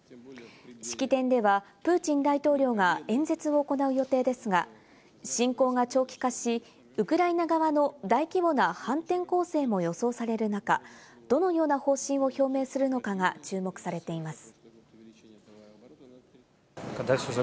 式典ではプーチン大統領が演説を行う予定ですが、侵攻が長期化し、ウクライナ側の大規模な反転攻勢も予想される中、どのような方針を表明するのかが注目されています。